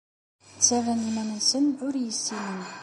Ttarran iman-nsen ur iyi-ssinen.